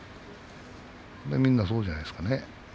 みんなそうじゃないですかね。